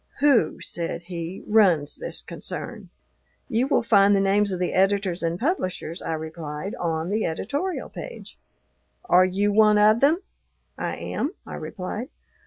"Who," said he, "runs this concern?" "You will find the names of the editors and publishers," I replied, "on the editorial page." "Are you one of them?" "I am," I replied.